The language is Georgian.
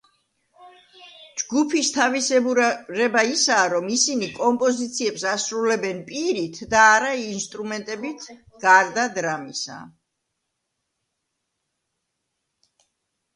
ჯგუფის თავისებურება ისაა, რომ ისინი კომპოზიციებს ასრულებენ პირით და არა ინსტრუმენტებით გარდა დრამისა.